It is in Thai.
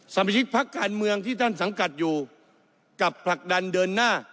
ซัมพยพัชภักษ์การเมืองที่สัมกัดอยู่กับผลักดันเดินหน้า